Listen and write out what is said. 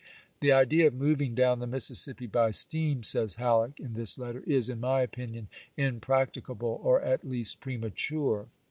" The idea of moving down the Mississippi by steam," says HaUeck, in this letter, "is, in my opinion, impracticable, or at least premature.